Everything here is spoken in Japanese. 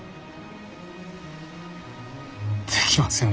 できませぬ。